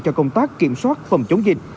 cho công tác kiểm soát phòng chống dịch